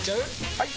・はい！